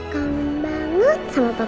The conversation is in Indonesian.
kamu bangun sama papa